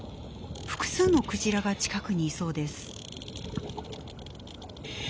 複数のクジラが近くにいそうです。